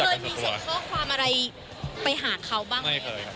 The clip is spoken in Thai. เราแอบมองมาอยู่ดีกันมาปล่อยเสร็จ